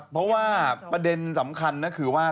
เพราะว่าประเด็นสำคัญก็คือว่า